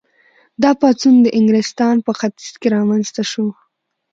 دا پاڅون د انګلستان په ختیځ کې رامنځته شو.